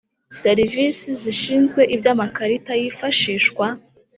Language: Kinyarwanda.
Serivisi zishinzwe iby amakarita yifashishwa